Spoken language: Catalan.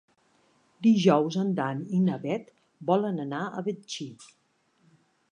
Dijous en Dan i na Bet volen anar a Betxí.